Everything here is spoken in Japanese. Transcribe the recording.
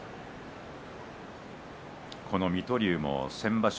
この水戸龍も先場所